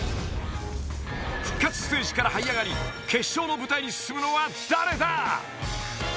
復活ステージからはい上がり決勝の舞台に進むのは誰だ？